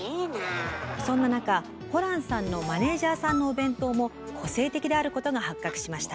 そんな中ホランさんのマネージャーさんのお弁当も個性的であることが発覚しました。